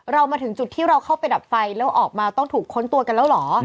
เรามาถึงจุดที่เราเข้าไปดับไฟแล้วออกมาต้องถูกค้นตัวกันแล้วเหรอ